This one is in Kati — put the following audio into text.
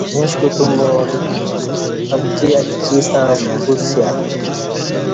ایݩش کوتوم با امکی اتکی ستݩع گوسیہ